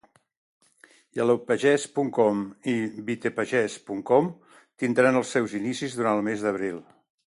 Yellowpages.com i Whitepages.com tindran els seus inicis durant el mes d'abril.